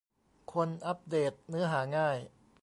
คนอัปเดตเนื้อหาง่าย ?